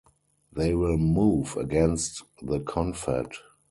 They will move against the Confed.